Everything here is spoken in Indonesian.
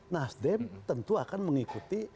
nasdem tentu akan mengikuti